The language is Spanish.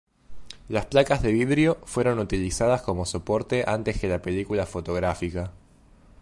Las placas de vidrio fueron utilizadas como soporte antes que la película fotográfica.